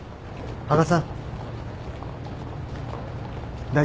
羽賀さん！